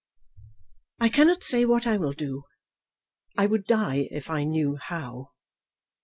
"I cannot say what I will do. I would die if I knew how.